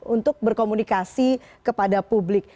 untuk berkomunikasi kepada publik